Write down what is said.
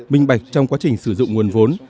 minh bạch trong quá trình sử dụng nguồn vốn